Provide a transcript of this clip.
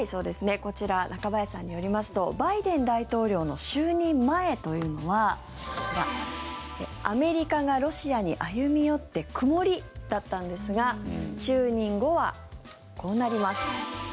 こちら中林さんによりますとバイデン大統領の就任前というのはアメリカがロシアに歩み寄って曇りだったんですが就任後はこうなります。